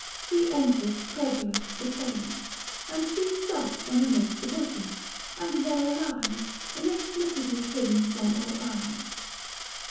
He enters, credulous, the cave ; and she Stops when amidst the bushes, and there lies Inexplicably hidden from all eyes.